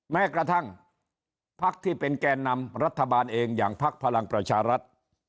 แม้กระทั่งพักที่เป็นแก่นำรัฐบาลเองอย่างพักพลังประชารัฐ